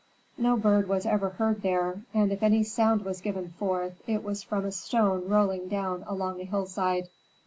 No bird was ever heard there, and if any sound was given forth it was from a stone rolling down along a hillside.